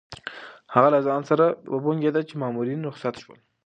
هغه له ځان سره وبونګېده چې مامورین رخصت شول.